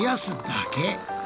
だけ？